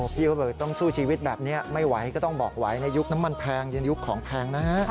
พี่ก็บอกต้องสู้ชีวิตแบบนี้ไม่ไหวก็ต้องบอกไหวในยุคน้ำมันแพงเย็นยุคของแพงนะฮะ